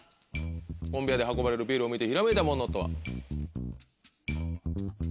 コンベヤーで運ばれるビールを見てひらめいたものとは？